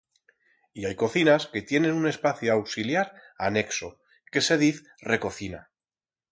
I hai cocinas que tienen un espacio auxiliar anexo, que se diz recocina.